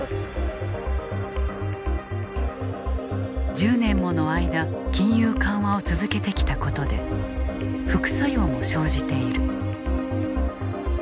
１０年もの間金融緩和を続けてきたことで副作用も生じている。